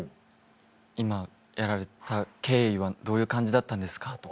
今やられた経緯はどういう感じだったんですかとか。